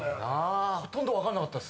ほとんど分かんなかった。